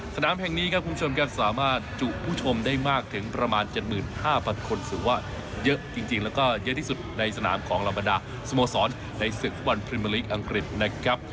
สนามแห่งนี้ครับคุณผู้ชมครับสามารถจุผู้ชมได้มากถึงประมาณ๗๕๐๐คนถือว่าเยอะจริงแล้วก็เยอะที่สุดในสนามของเราบรรดาสโมสรในศึกฟุตบอลพรีเมอร์ลีกอังกฤษนะครับ